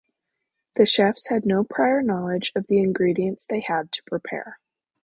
The chefs had no prior knowledge of the ingredients they had to prepare.